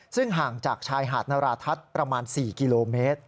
ซึ่งห่างจากชายหาดนราทัศน์ประมาณ๔กิโลเมตร